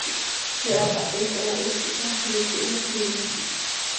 Ziix hapahit hoohit quih, taax iiqui hyasiiinot.